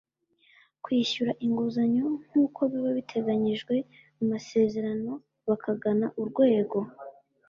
kwishyura inguzanyo nk uko biba biteganyijwe mu masezerano bakagana Urwego